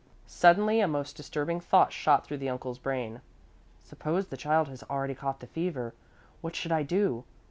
Suddenly a most disturbing thought shot through the uncle's brain: "Suppose the child has already caught the fever? What should I do?